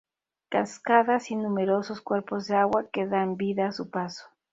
Cascadas y numerosos cuerpos de agua que dan vida a su paso.